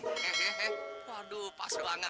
ya menceng hehehe waduh pas banget